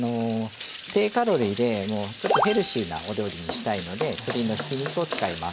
低カロリーでちょっとヘルシーなお料理にしたいので鶏のひき肉を使います。